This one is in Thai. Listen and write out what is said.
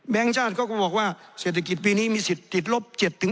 ชาติเขาก็บอกว่าเศรษฐกิจปีนี้มีสิทธิ์ติดลบ๗๕